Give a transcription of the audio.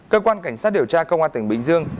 cơ quan cảnh sát điều tra công an tỉnh bình dương